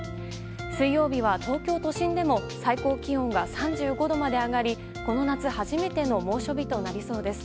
水曜日は東京都心でも最高気温が３５度まで上がりこの夏初めての猛暑日となりそうです。